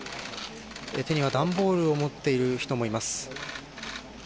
手には段ボールを持っている人もいます。